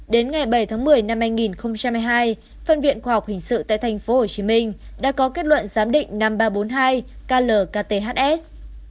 đến ngày bảy tháng một mươi năm hai nghìn hai mươi hai phân viện khoa học hình sự tại tp hcm đã có kết luận giám định năm nghìn ba trăm bốn mươi hai klkhs